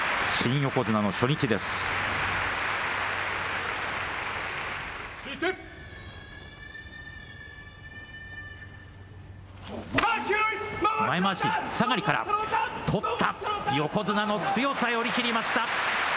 横綱の強さ寄り切りました。